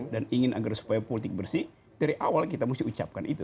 dan ingin agar supaya politik bersih dari awal kita mesti ucapkan itu